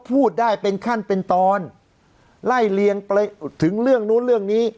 พูดได้เป็นขั้นเป็นตอนไล่เลียงไปถึงเรื่องนู้นเรื่องนี้